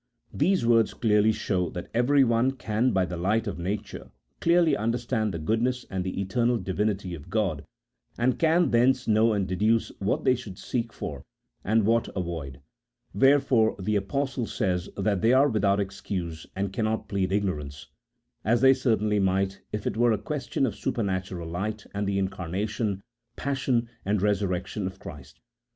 These words clearly show that everyone can by the light of nature clearly understand the goodness and the eternal divinity of God, and can thence know and deduce what they should seek for and what avoid ; wherefore the Apostle says that they are without excuse and cannot plead igno rance, as they certainly might if it were a question of supernatural light and the incarnation, passion, and resur rection of Christ.